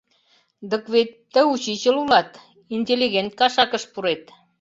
Дык вет, тый учичыл улат, интеллигент кашакыш пурет.